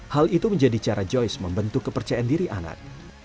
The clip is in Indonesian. hal itu menjadi cara joyce membentuk kepercayaan diri anak